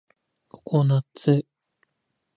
ココナッツ